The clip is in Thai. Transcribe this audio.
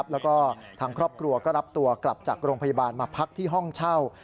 แล้วก็ทางครอบครัวก็รับตัวกลับจากโรงพยาบาลมาพักที่ห้องเช่า